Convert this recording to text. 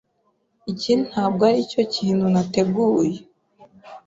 Iki ntabwo aricyo kintu nateguye.